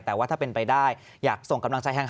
แต่ว่าถ้าเป็นไปได้อยากส่งกำลังใจให้